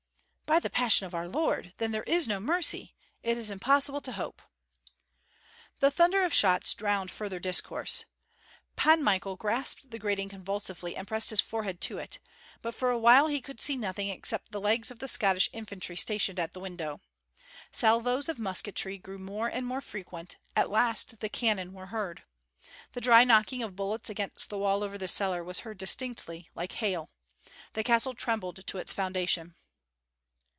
"By the passion of our Lord! Then there is no mercy. It is impossible to hope." The thunder of shots drowned further discourse. Pan Michael grasped the grating convulsively and pressed his forehead to it, but for a while he could see nothing except the legs of the Scottish infantry stationed at the window. Salvos of musketry grew more and more frequent; at last the cannon were heard. The dry knocking of bullets against the wall over the cellar was heard distinctly, like hail. The castle trembled to its foundation.